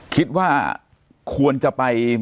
คิดว่าควรจะไป